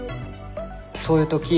そういう時